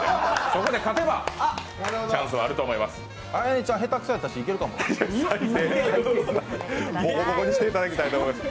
そこで勝てばチャンスはあると思います。